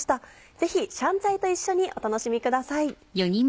ぜひ香菜と一緒にお楽しみください。